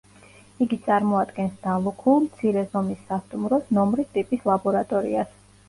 იგი წარმოადგენს დალუქულ, მცირე ზომის სასტუმროს ნომრის ტიპის ლაბორატორიას.